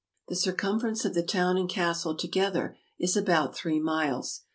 The circumference of the town and castle to gether is about three miles.